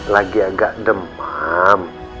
lagi agak demam